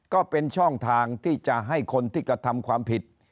ก็เป็นช่องทางที่จะให้คนที่กระทำความผิด